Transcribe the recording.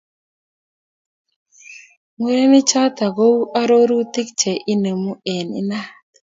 Murenichoto kou arorutik che inemu eng inat